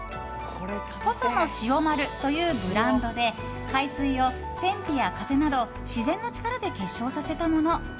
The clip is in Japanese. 土佐の塩丸というブランドで海水を、天日や風など自然の力で結晶させたもの。